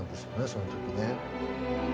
その時ね。